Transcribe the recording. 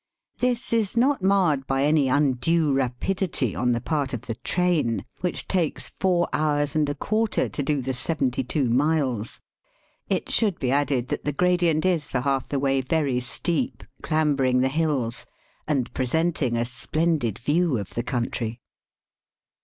This is not marred by any undue rapidity on the part of the train, which takes four hours and a quarter to do the seventy two miles. It should be added that the gradient is for haK the way very steep, clambering the hills, and presenting a splendid view of the country.